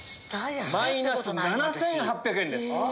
マイナス７８００円です。